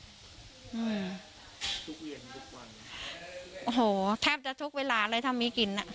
อืมทุกเย็นทุกวันโอ้โหแทบจะทุกเวลาเลยถ้ามีกลิ่นอ่ะ